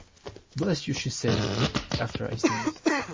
Bless you she said, after I sneezed.